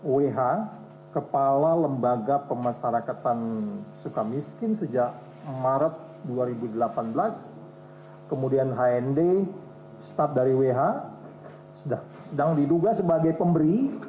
wh kepala lembaga pemasarakatan suka miskin sejak maret dua ribu delapan belas kemudian hnd staff dari wh sedang diduga sebagai pemberi